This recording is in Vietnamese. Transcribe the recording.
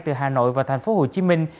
từ hà nội và thành phố hồ chí minh